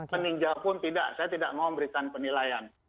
meninjau pun tidak saya tidak mau memberikan penilaian